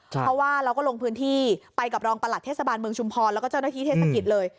เพราะว่าเราก็ลงพื้นที่ไปกับรองประหลัดเทศบาลเมืองชุมพรแล้วก็เจ้าหน้าที่เทศกิจเลย